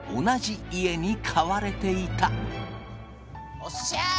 おっしゃ！